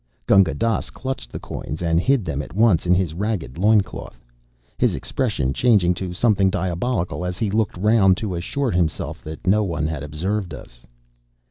Gunga Dass clutched the coins, and hid them at once in his ragged loin cloth, his expression changing to something diabolical as he looked round to assure himself that no one had observed us.